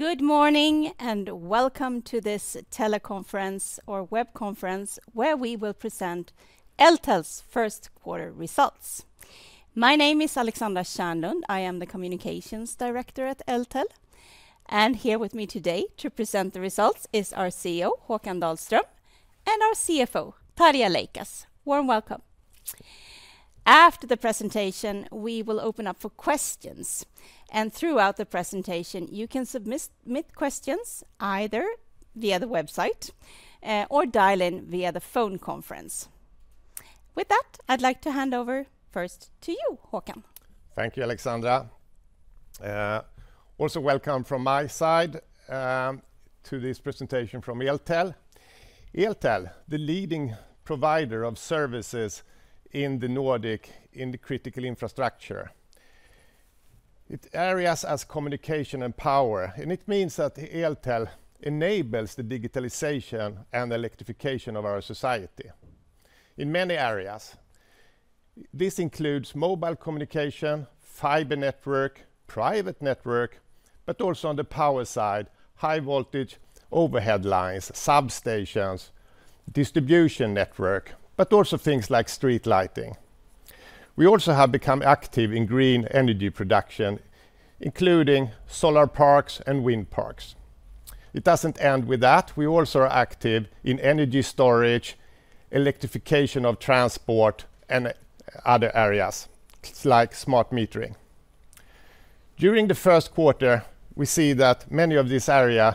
Good morning and welcome to this teleconference or web conference where we will present Eltel's first quarter results. My name is Alexandra Kärnlund. I am the Communications Director at Eltel. Here with me today to present the results is our CEO, Håkan Dahlström, and our CFO, Tarja Leikas. Warm welcome. After the presentation, we will open up for questions. Throughout the presentation, you can submit questions either via the website or dial in via the phone conference. With that, I'd like to hand over first to you, Håkan. Thank you, Alexandra. Also welcome from my side to this presentation from Eltel. Eltel, the leading provider of services in the Nordic in critical infrastructure, it areas as communication and power. It means that Eltel enables the digitalization and electrification of our society in many areas. This includes mobile communication, fiber network, private network, but also on the power side, high voltage overhead lines, substations, distribution network, but also things like street lighting. We also have become active in green energy production, including solar parks and wind parks. It does not end with that. We also are active in energy storage, electrification of transport, and other areas like smart metering. During the first quarter, we see that many of these areas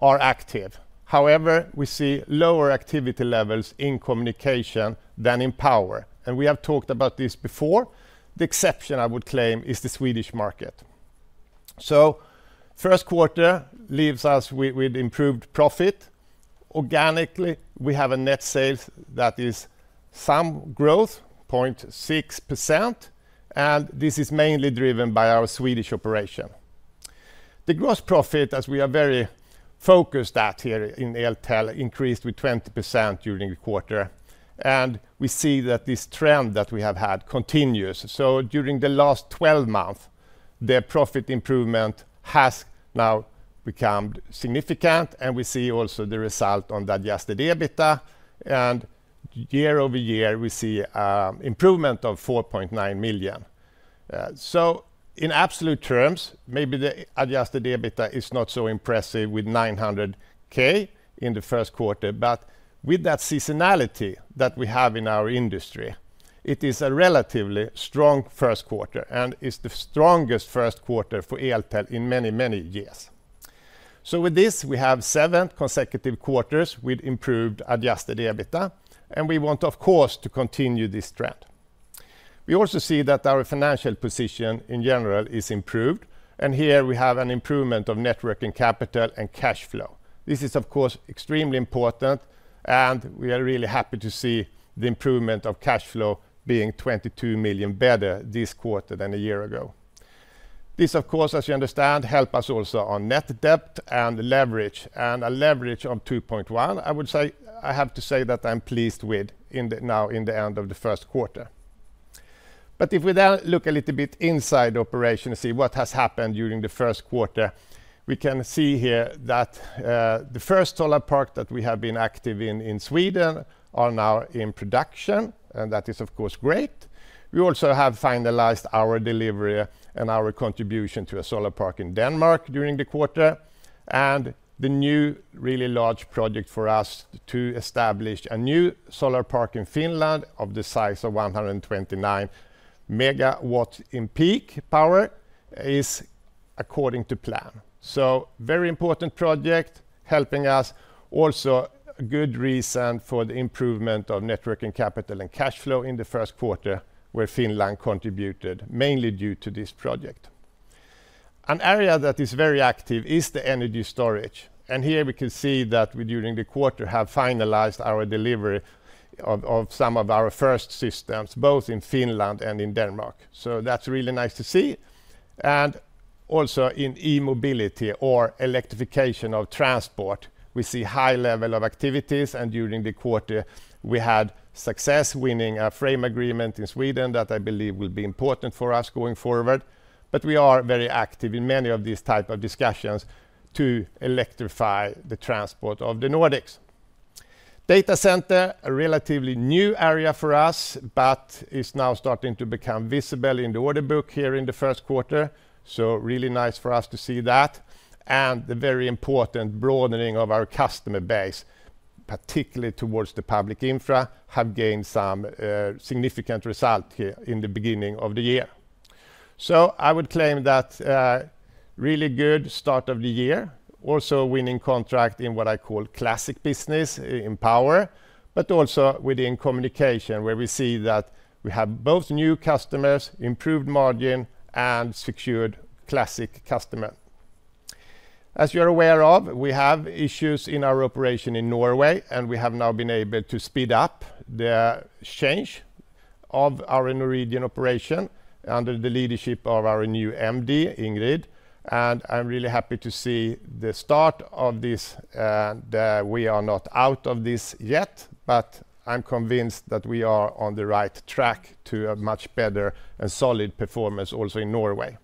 are active. However, we see lower activity levels in communication than in power. We have talked about this before. The exception, I would claim, is the Swedish market. First quarter leaves us with improved profit. Organically, we have a net sales that is some growth, 0.6%. This is mainly driven by our Swedish operation. The gross profit, as we are very focused at here in Eltel, increased with 20% during the quarter. We see that this trend that we have had continues. During the last 12 months, the profit improvement has now become significant. We see also the result on that adjusted EBITDA. Year-over-year, we see an improvement of 4.9 million. In absolute terms, maybe the adjusted EBITDA is not so impressive with 900,000 in the first quarter. With that seasonality that we have in our industry, it is a relatively strong first quarter and is the strongest first quarter for Eltel in many, many years. With this, we have seven consecutive quarters with improved adjusted EBITDA. We want, of course, to continue this trend. We also see that our financial position in general is improved. Here we have an improvement of networking capital and cash flow. This is, of course, extremely important. We are really happy to see the improvement of cash flow being 22 million better this quarter than a year ago. This, of course, as you understand, helps us also on net debt and leverage, and a leverage of 2.1, I would say. I have to say that I'm pleased with now in the end of the first quarter. If we then look a little bit inside the operation and see what has happened during the first quarter, we can see here that the first solar park that we have been active in in Sweden are now in production. That is, of course, great. We also have finalized our delivery and our contribution to a solar park in Denmark during the quarter. The new really large project for us to establish a new solar park in Finland of the size of 129 MW in peak power is according to plan. Very important project helping us, also a good reason for the improvement of networking capital and cash flow in the first quarter where Finland contributed mainly due to this project. An area that is very active is the energy storage. Here we can see that we during the quarter have finalized our delivery of some of our first systems both in Finland and in Denmark. That is really nice to see. Also in e-mobility or electrification of transport, we see high level of activities. During the quarter, we had success winning a frame agreement in Sweden that I believe will be important for us going forward. We are very active in many of these types of discussions to electrify the transport of the Nordics. Data center, a relatively new area for us, is now starting to become visible in the order book here in the first quarter. It is really nice for us to see that. The very important broadening of our customer base, particularly towards the public infra, has gained some significant result here in the beginning of the year. I would claim that it is a really good start of the year. Also winning contract in what I call classic business in power, but also within communication where we see that we have both new customers, improved margin, and secured classic customer. As you're aware of, we have issues in our operation in Norway, and we have now been able to speed up the change of our Norwegian operation under the leadership of our new MD, Ingrid. I'm really happy to see the start of this. We are not out of this yet, but I'm convinced that we are on the right track to a much better and solid performance also in Norway.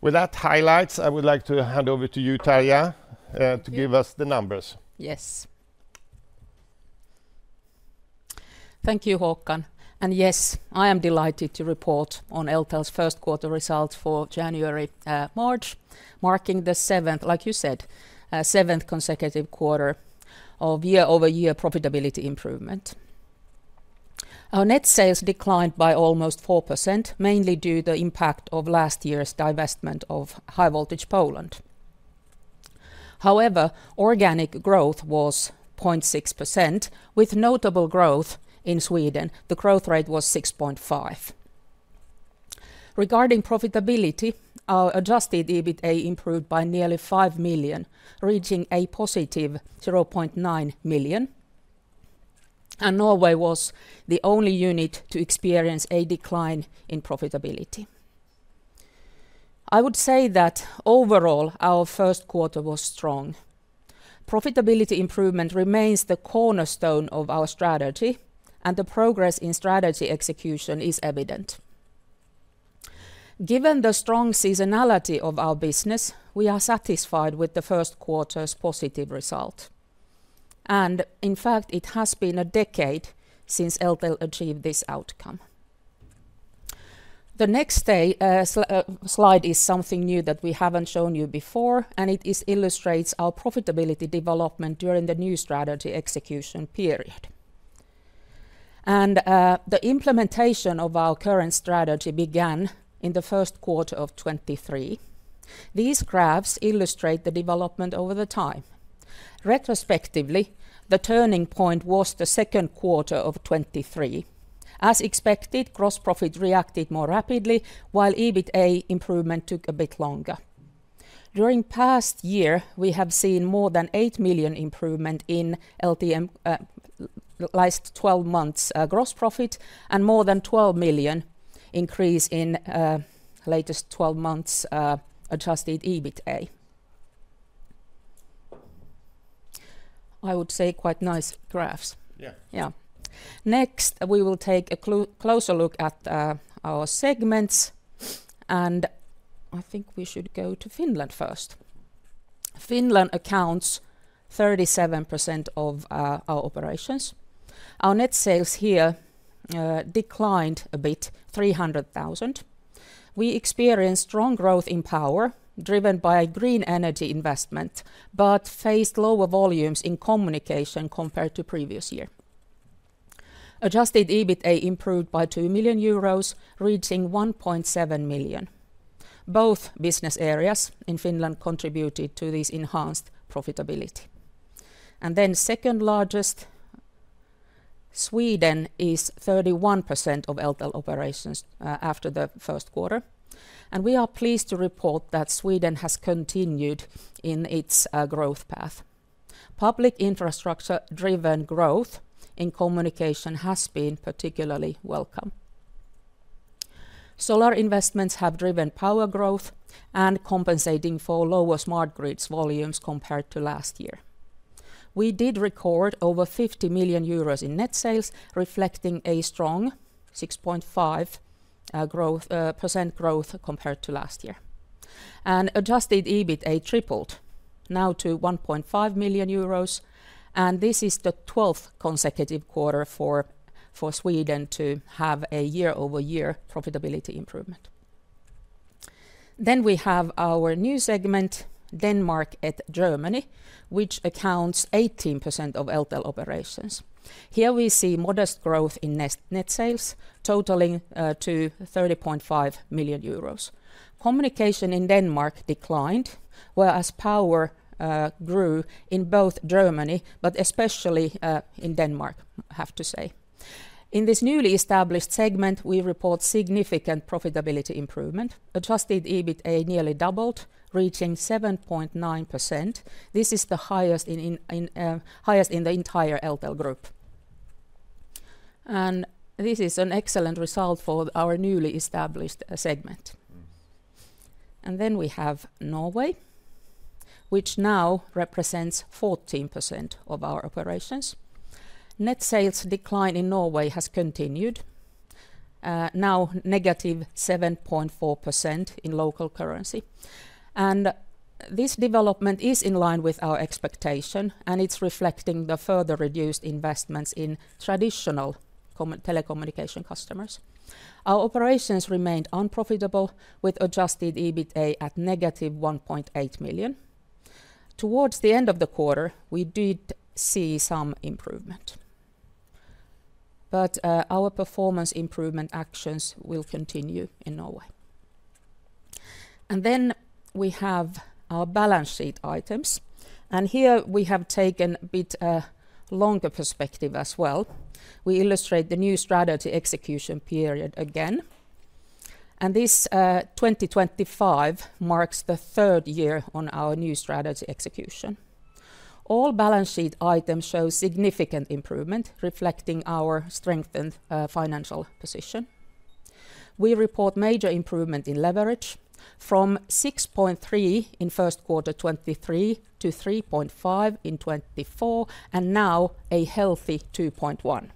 With that highlights, I would like to hand over to you, Tarja, to give us the numbers. Yes. Thank you, Håkan. Yes, I am delighted to report on Eltel's first quarter results for January, March, marking the seventh, like you said, seventh consecutive quarter of year-over-year profitability improvement. Our net sales declined by almost 4%, mainly due to the impact of last year's divestment of High Voltage Poland. However, organic growth was 0.6%, with notable growth in Sweden. The growth rate was 6.5%. Regarding profitability, our adjusted EBITA improved by nearly 5 million, reaching a positive 0.9 million. Norway was the only unit to experience a decline in profitability. I would say that overall our first quarter was strong. Profitability improvement remains the cornerstone of our strategy, and the progress in strategy execution is evident. Given the strong seasonality of our business, we are satisfied with the first quarter's positive result. In fact, it has been a decade since Eltel achieved this outcome. The next slide is something new that we haven't shown you before, and it illustrates our profitability development during the new strategy execution period. The implementation of our current strategy began in the first quarter of 2023. These graphs illustrate the development over the time. Retrospectively, the turning point was the second quarter of 2023. As expected, gross profit reacted more rapidly, while EBITA improvement took a bit longer. During the past year, we have seen more than 8 million improvement in LTM gross profit and more than 12 million increase in latest 12 months adjusted EBITA. I would say quite nice graphs. Yeah. Yeah. Next, we will take a closer look at our segments. I think we should go to Finland first. Finland accounts for 37% of our operations. Our net sales here declined a bit, 300,000. We experienced strong growth in power driven by green energy investment, but faced lower volumes in communication compared to previous year. Adjusted EBITA improved by 2 million euros, reaching 1.7 million. Both business areas in Finland contributed to this enhanced profitability. The second largest, Sweden is 31% of Eltel operations after the first quarter. We are pleased to report that Sweden has continued in its growth path. Public infrastructure-driven growth in communication has been particularly welcome. Solar investments have driven power growth and are compensating for lower smart grids volumes compared to last year. We did record over 50 million euros in net sales, reflecting a strong 6.5% growth compared to last year. Adjusted EBITA tripled, now to 1.5 million euros. This is the 12th consecutive quarter for Sweden to have a year-over-year profitability improvement. We have our new segment, Denmark and Germany, which accounts for 18% of Eltel operations. Here we see modest growth in net sales, totaling 30.5 million euros. Communication in Denmark declined, whereas power grew in both Germany, but especially in Denmark, I have to say. In this newly established segment, we report significant profitability improvement. Adjusted EBITA nearly doubled, reaching 7.9%. This is the highest in the entire Eltel group. This is an excellent result for our newly established segment. We have Norway, which now represents 14% of our operations. Net sales decline in Norway has continued, now negative 7.4% in local currency. This development is in line with our expectation, and it is reflecting the further reduced investments in traditional telecommunication customers. Our operations remained unprofitable with adjusted EBITA at negative 1.8 million. Towards the end of the quarter, we did see some improvement. Our performance improvement actions will continue in Norway. We have our balance sheet items. Here we have taken a bit longer perspective as well. We illustrate the new strategy execution period again. This 2025 marks the third year on our new strategy execution. All balance sheet items show significant improvement, reflecting our strengthened financial position. We report major improvement in leverage from 6.3 in first quarter 2023 to 3.5 in 2024, and now a healthy 2.1.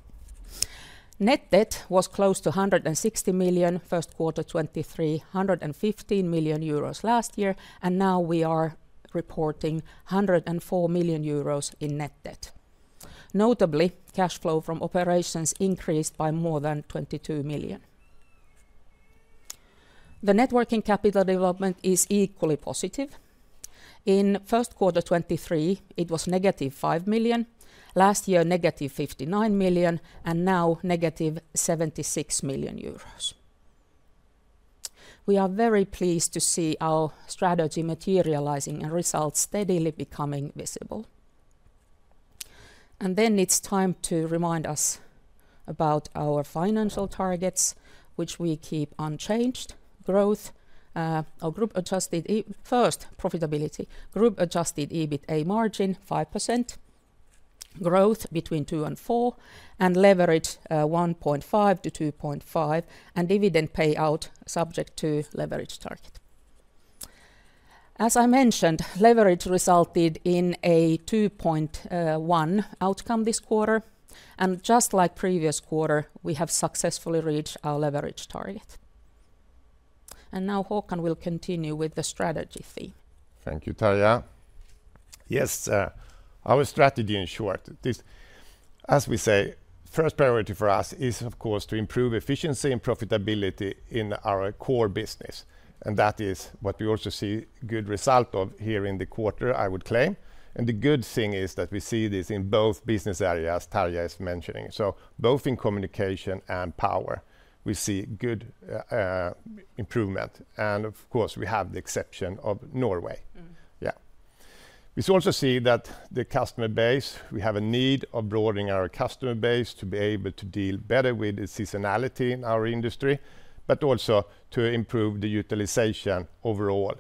Net debt was close to 160 million first quarter 2023, 115 million euros last year, and now we are reporting 104 million euros in net debt. Notably, cash flow from operations increased by more than 22 million. The networking capital development is equally positive. In first quarter 2023, it was negative 5 million. Last year, negative 59 million, and now negative 76 million euros. We are very pleased to see our strategy materializing and results steadily becoming visible. It is time to remind us about our financial targets, which we keep unchanged. Growth, our group adjusted first profitability, group adjusted EBITA margin 5%, growth between 2%-4%, and leverage 1.5-2.5, and dividend payout subject to leverage target. As I mentioned, leverage resulted in a 2.1 outcome this quarter. Just like previous quarter, we have successfully reached our leverage target. Now Håkan will continue with the strategy theme. Thank you, Tarja. Yes, our strategy in short, as we say, first priority for us is, of course, to improve efficiency and profitability in our core business. That is what we also see good result of here in the quarter, I would claim. The good thing is that we see this in both business areas Tarja is mentioning. Both in communication and power, we see good improvement. Of course, we have the exception of Norway. We also see that the customer base, we have a need of broadening our customer base to be able to deal better with the seasonality in our industry, but also to improve the utilization overall.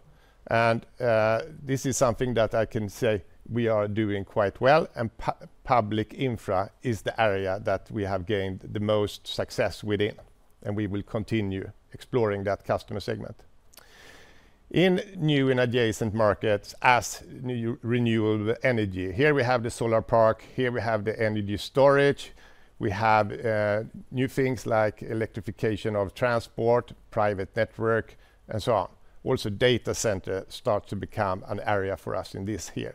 This is something that I can say we are doing quite well. Public infra is the area that we have gained the most success within. We will continue exploring that customer segment. In new and adjacent markets as renewable energy, here we have the solar park, here we have the energy storage. We have new things like electrification of transport, private network, and so on. Also, data center starts to become an area for us in this year.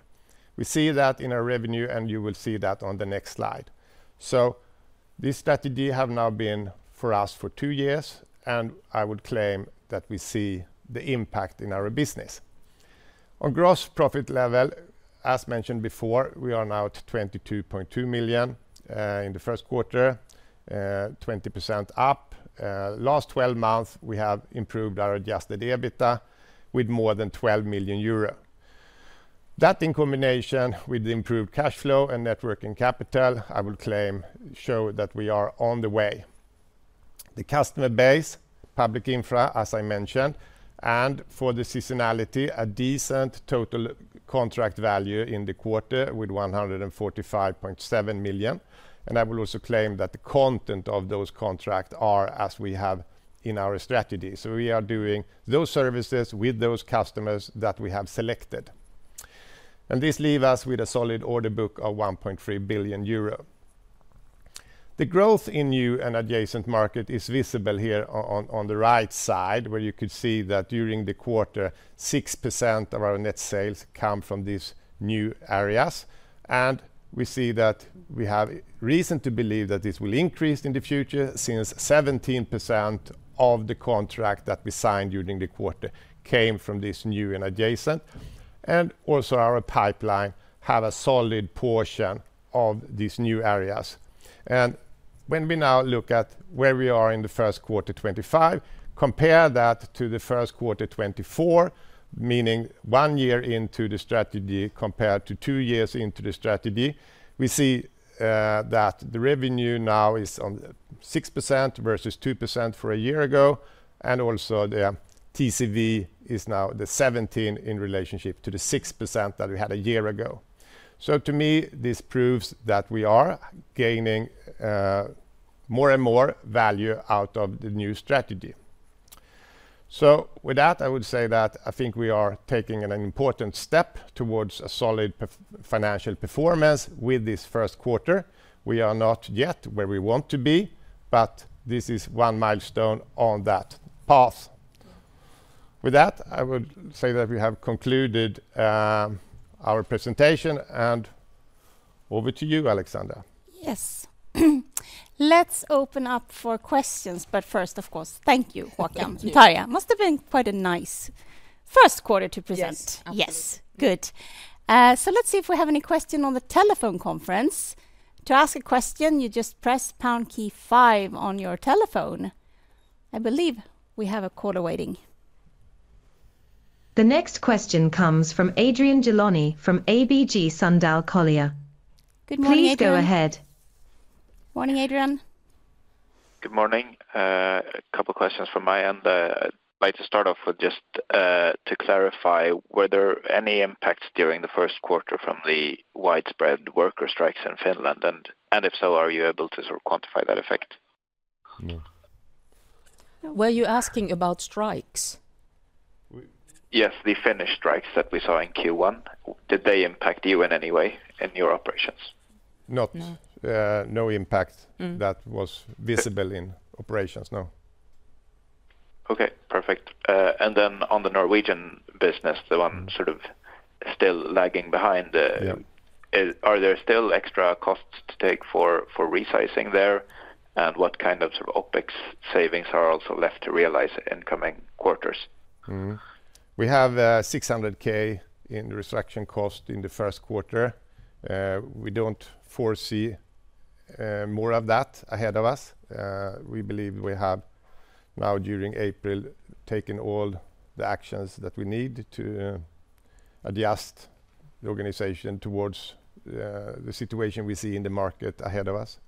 We see that in our revenue, and you will see that on the next slide. This strategy has now been for us for two years, and I would claim that we see the impact in our business. On gross profit level, as mentioned before, we are now at 22.2 million in the first quarter, 20% up. Last 12 months, we have improved our adjusted EBITA with more than 12 million euro. That in combination with the improved cash flow and networking capital, I would claim shows that we are on the way. The customer base, public infra, as I mentioned, and for the seasonality, a decent total contract value in the quarter with 145.7 million. I will also claim that the content of those contracts are as we have in our strategy. We are doing those services with those customers that we have selected. This leaves us with a solid order book of 1.3 billion euro. The growth in new and adjacent market is visible here on the right side, where you could see that during the quarter, 6% of our net sales come from these new areas. We see that we have reason to believe that this will increase in the future since 17% of the contract that we signed during the quarter came from this new and adjacent. Our pipeline has a solid portion of these new areas. When we now look at where we are in the first quarter 2025, compare that to the first quarter 2024, meaning one year into the strategy compared to two years into the strategy, we see that the revenue now is on 6% versus 2% for a year ago. Also, the TCV is now the 17 in relationship to the 6% that we had a year ago. To me, this proves that we are gaining more and more value out of the new strategy. With that, I would say that I think we are taking an important step towards a solid financial performance with this first quarter. We are not yet where we want to be, but this is one milestone on that path. With that, I would say that we have concluded our presentation, and over to you, Alexandra. Yes. Let's open up for questions, but first, of course, thank you, Håkan. Tarja, must have been quite a nice first quarter to present. Yes. Yes. Good. Let's see if we have any question on the telephone conference. To ask a question, you just press pound key five on your telephone. I believe we have a caller waiting. The next question comes from Adrian Gilani from ABG Sundal Coller. Good morning, Adrian. Please go ahead. Morning, Adrian. Good morning. A couple of questions from my end. I'd like to start off with just to clarify, were there any impacts during the first quarter from the widespread worker strikes in Finland? If so, are you able to sort of quantify that effect? Were you asking about strikes? Yes, the Finnish strikes that we saw in Q1. Did they impact you in any way in your operations? No. No impact that was visible in operations, no. Okay. Perfect. On the Norwegian business, the one sort of still lagging behind, are there still extra costs to take for resizing there, and what kind of sort of OPEX savings are also left to realize in coming quarters? We have 600,000 in the restriction cost in the first quarter. We do not foresee more of that ahead of us. We believe we have now, during April, taken all the actions that we need to adjust the organization towards the situation we see in the market ahead of us.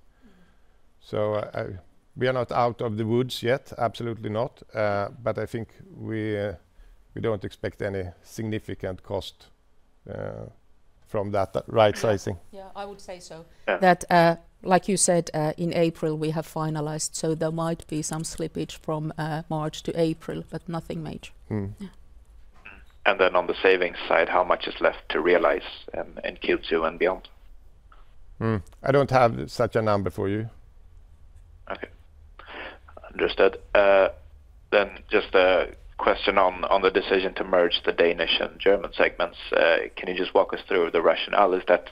We are not out of the woods yet, absolutely not. I think we do not expect any significant cost from that right-sizing. Yeah, I would say so. That, like you said, in April, we have finalized. There might be some slippage from March to April, but nothing major. On the savings side, how much is left to realize in Q2 and beyond? I don't have such a number for you. Okay. Understood. Just a question on the decision to merge the Danish and German segments. Can you just walk us through the rationale? Is that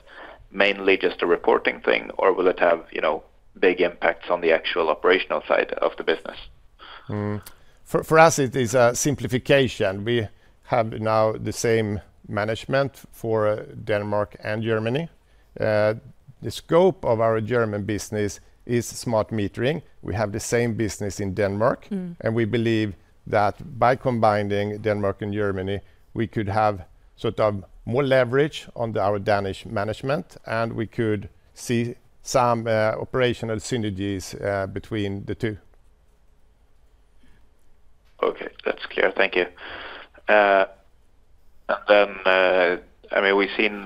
mainly just a reporting thing, or will it have big impacts on the actual operational side of the business? For us, it is a simplification. We have now the same management for Denmark and Germany. The scope of our German business is smart metering. We have the same business in Denmark. We believe that by combining Denmark and Germany, we could have sort of more leverage on our Danish management, and we could see some operational synergies between the two. Okay. That's clear. Thank you. I mean, we've seen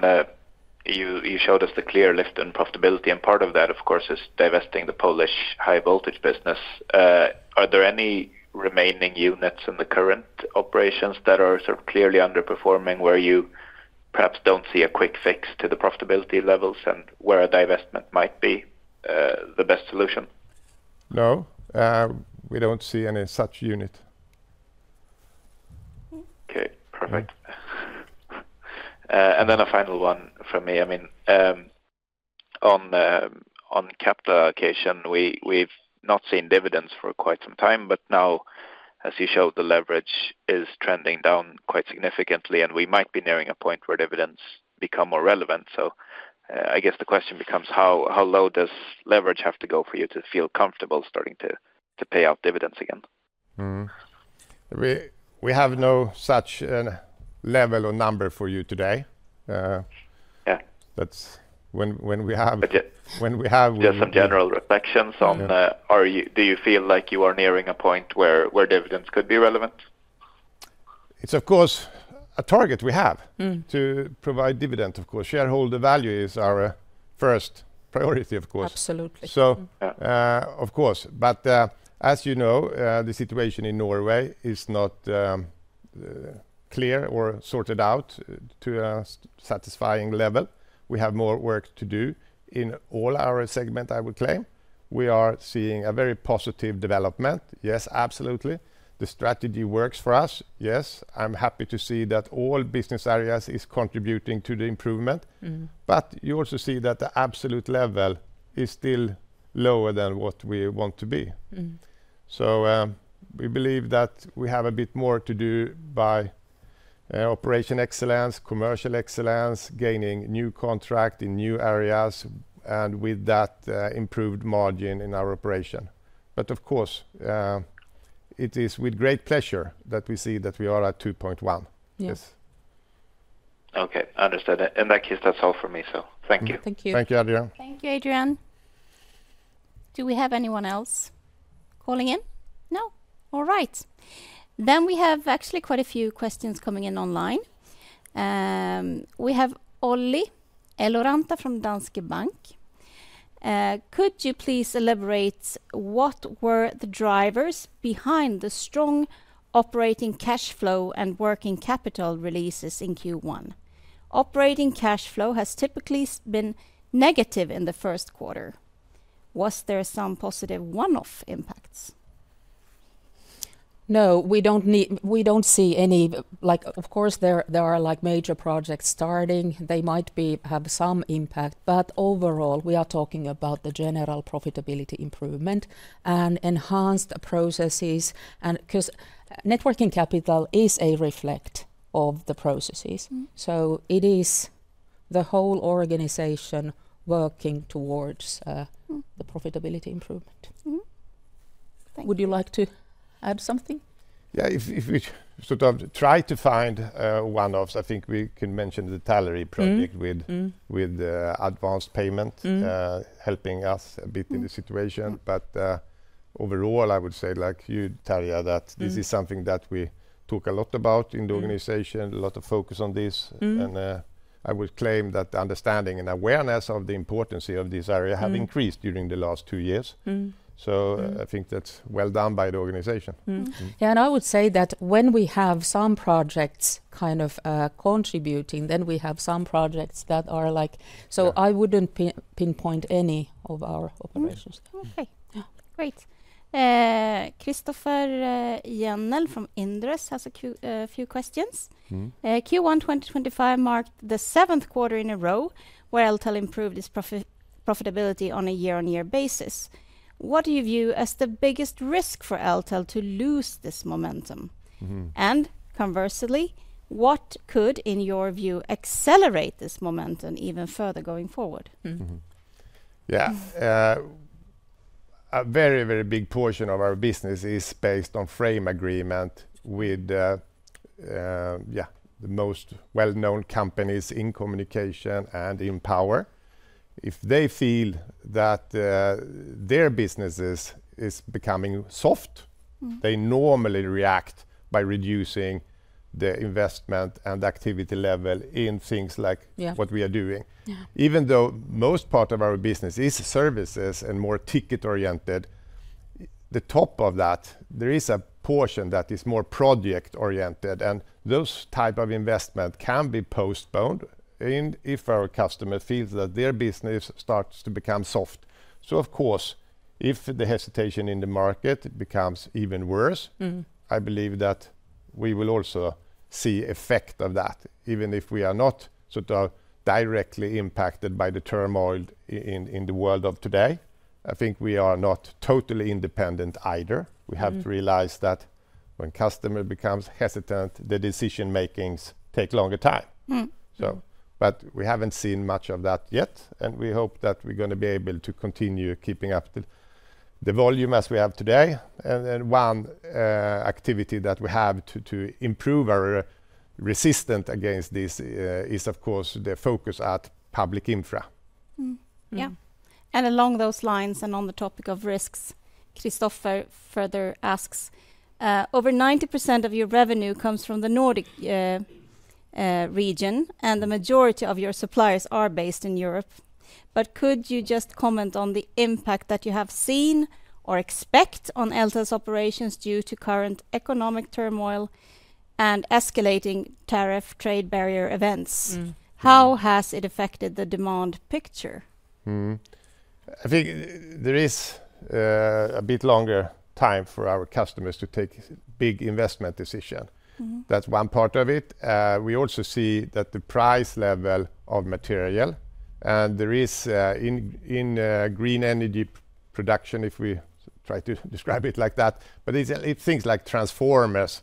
you showed us the clear lift in profitability. Part of that, of course, is divesting the Polish high voltage business. Are there any remaining units in the current operations that are sort of clearly underperforming where you perhaps don't see a quick fix to the profitability levels and where a divestment might be the best solution? No. We don't see any such unit. Okay. Perfect. And then a final one from me. I mean, on capital allocation, we've not seen dividends for quite some time, but now, as you showed, the leverage is trending down quite significantly, and we might be nearing a point where dividends become more relevant. I guess the question becomes, how low does leverage have to go for you to feel comfortable starting to pay out dividends again? We have no such level or number for you today. That's what we have. Just some general reflections on, do you feel like you are nearing a point where dividends could be relevant? It's, of course, a target we have to provide dividend, of course. Shareholder value is our first priority, of course. Absolutely. Of course. As you know, the situation in Norway is not clear or sorted out to a satisfying level. We have more work to do in all our segments, I would claim. We are seeing a very positive development. Yes, absolutely. The strategy works for us. Yes, I'm happy to see that all business areas are contributing to the improvement. You also see that the absolute level is still lower than what we want to be. We believe that we have a bit more to do by operation excellence, commercial excellence, gaining new contracts in new areas, and with that, improved margin in our operation. Of course, it is with great pleasure that we see that we are at 2.1. Okay. Understood. In that case, that's all for me. Thank you. Thank you. Thank you, Adrian. Thank you, Adrian. Do we have anyone else calling in? No? All right. Actually, we have quite a few questions coming in online. We have Olli Eloranta from Danske Bank. Could you please elaborate what were the drivers behind the strong operating cash flow and working capital releases in Q1? Operating cash flow has typically been negative in the first quarter. Was there some positive one-off impacts? No, we don't see any. Of course, there are major projects starting. They might have some impact. Overall, we are talking about the general profitability improvement and enhanced processes. Because networking capital is a reflect of the processes, it is the whole organization working towards the profitability improvement. Would you like to add something? Yeah. If we sort of try to find one-offs, I think we can mention the Tallery project with advanced payment helping us a bit in the situation. Overall, I would say, like you, Tarja, that this is something that we talk a lot about in the organization, a lot of focus on this. I would claim that the understanding and awareness of the importance of this area have increased during the last two years. I think that's well done by the organization. Yeah. I would say that when we have some projects kind of contributing, then we have some projects that are like. I would not pinpoint any of our operations. Okay. Great. Christoffer Jennel from Inderes has a few questions. Q1 2025 marked the seventh quarter in a row where Eltel improved its profitability on a year-on-year basis. What do you view as the biggest risk for Eltel to lose this momentum? Conversely, what could, in your view, accelerate this momentum even further going forward? Yeah. A very, very big portion of our business is based on frame agreement with the most well-known companies in communication and in power. If they feel that their business is becoming soft, they normally react by reducing the investment and activity level in things like what we are doing. Even though most part of our business is services and more ticket-oriented, the top of that, there is a portion that is more project-oriented. Those types of investment can be postponed if our customer feels that their business starts to become soft. Of course, if the hesitation in the market becomes even worse, I believe that we will also see the effect of that. Even if we are not sort of directly impacted by the turmoil in the world of today, I think we are not totally independent either. We have to realize that when a customer becomes hesitant, the decision-makings take longer time. We haven't seen much of that yet. We hope that we're going to be able to continue keeping up the volume as we have today. One activity that we have to improve our resistance against this is, of course, the focus at public infra. Yeah. Along those lines and on the topic of risks, Christoffer further asks, over 90% of your revenue comes from the Nordic region, and the majority of your suppliers are based in Europe. Could you just comment on the impact that you have seen or expect on Eltel's operations due to current economic turmoil and escalating tariff trade barrier events? How has it affected the demand picture? I think there is a bit longer time for our customers to take big investment decisions. That's one part of it. We also see that the price level of material, and there is in green energy production, if we try to describe it like that, but it's things like transformers,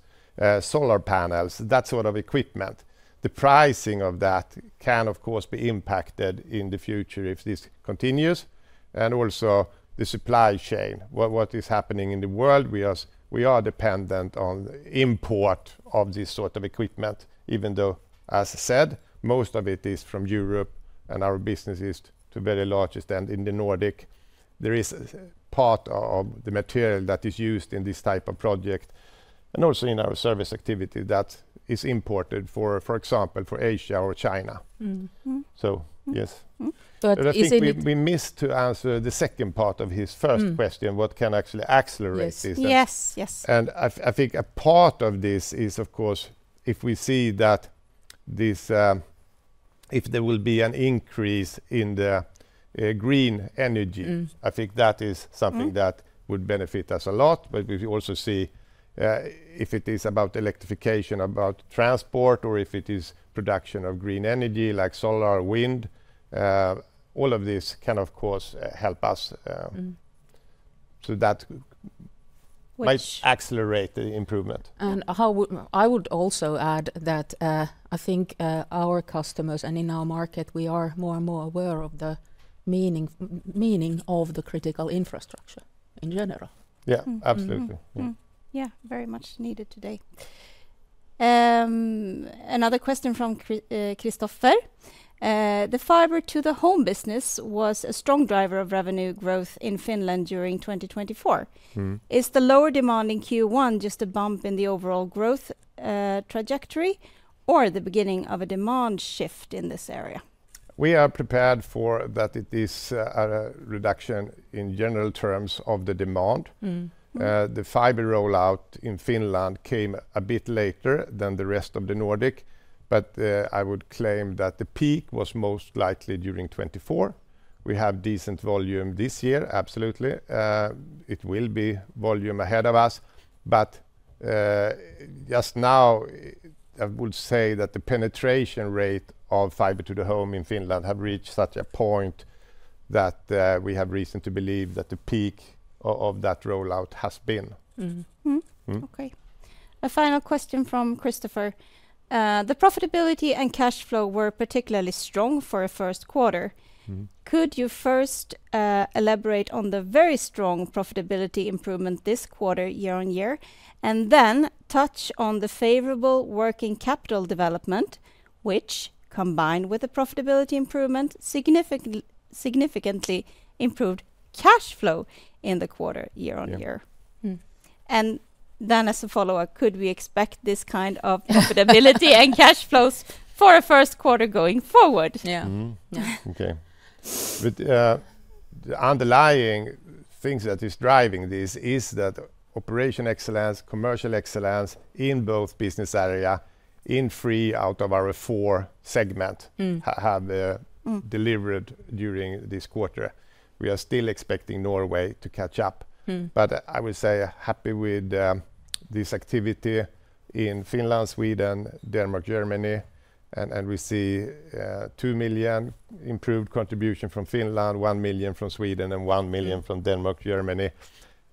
solar panels, that sort of equipment. The pricing of that can, of course, be impacted in the future if this continues. Also the supply chain, what is happening in the world, we are dependent on import of this sort of equipment, even though, as I said, most of it is from Europe and our business is to a very large extent in the Nordic. There is part of the material that is used in this type of project and also in our service activity that is imported, for example, from Asia or China. Yes. At least. We missed to answer the second part of his first question, what can actually accelerate this. Yes, yes. I think a part of this is, of course, if we see that if there will be an increase in the green energy, I think that is something that would benefit us a lot. We also see if it is about electrification, about transport, or if it is production of green energy, like solar or wind, all of this can, of course, help us. That might accelerate the improvement. I would also add that I think our customers and in our market, we are more and more aware of the meaning of the critical infrastructure in general. Yeah, absolutely. Yeah, very much needed today. Another question from Christoffer. The fiber to the home business was a strong driver of revenue growth in Finland during 2024. Is the lower demand in Q1 just a bump in the overall growth trajectory or the beginning of a demand shift in this area? We are prepared for that it is a reduction in general terms of the demand. The fiber rollout in Finland came a bit later than the rest of the Nordic. I would claim that the peak was most likely during 2024. We have decent volume this year, absolutely. It will be volume ahead of us. Just now, I would say that the penetration rate of fiber to the home in Finland has reached such a point that we have reason to believe that the peak of that rollout has been. Okay. A final question from Christoffer. The profitability and cash flow were particularly strong for a first quarter. Could you first elaborate on the very strong profitability improvement this quarter year-on-year, and then touch on the favorable working capital development, which combined with the profitability improvement significantly improved cash flow in the quarter year-on-year? As a follow-up, could we expect this kind of profitability and cash flows for a first quarter going forward? Yeah. Okay. The underlying things that is driving this is that operation excellence, commercial excellence in both business areas, in three out of our four segments have delivered during this quarter. We are still expecting Norway to catch up. I would say happy with this activity in Finland, Sweden, Denmark, Germany. We see 2 million improved contribution from Finland, 1 million from Sweden, and 1 million from Denmark, Germany.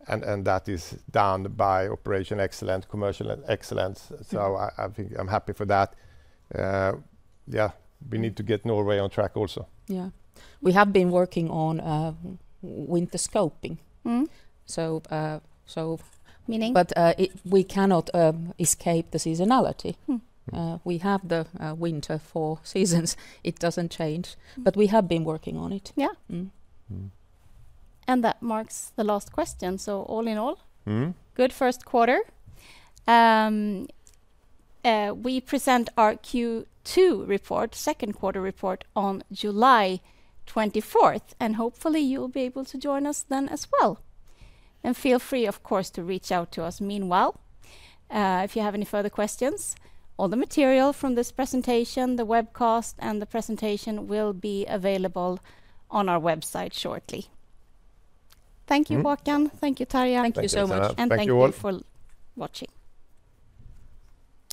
That is done by operation excellence, commercial excellence. I think I'm happy for that. Yeah, we need to get Norway on track also. Yeah. We have been working on winter scoping. Meaning? We cannot escape the seasonality. We have the winter for seasons. It does not change. We have been working on it. Yeah. That marks the last question. All in all, good first quarter. We present our Q2 report, second quarter report on July 24th. Hopefully, you'll be able to join us then as well. Feel free, of course, to reach out to us meanwhile. If you have any further questions, all the material from this presentation, the webcast, and the presentation will be available on our website shortly. Thank you, Håkan. Thank you, Tarja. Thank you so much. Thank you all. Thank you for watching.